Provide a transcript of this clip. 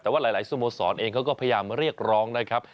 แต่ว่าหลายสโมสรเองเขาก็พยายามเรียกร้องนะครับ